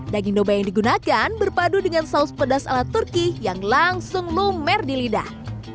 daging domba yang digunakan berpadu dengan saus pedas ala turki yang langsung lumer di lidah